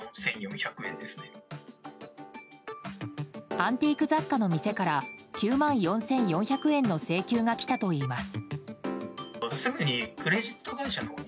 アンティーク雑貨の店から９万４４００円の請求が来たといいます。